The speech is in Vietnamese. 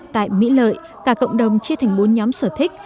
tại mỹ lợi cả cộng đồng chia thành bốn nhóm sở thích